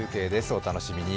お楽しみに。